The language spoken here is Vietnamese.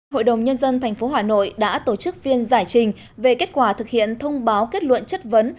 hội đồng nhân dân tp hà nội đã tổ chức phiên giải trình về kết quả thực hiện thông báo kết luận chất vấn